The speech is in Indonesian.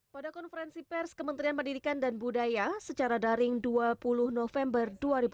pada konferensi pers kementerian pendidikan dan budaya secara daring dua puluh november dua ribu dua puluh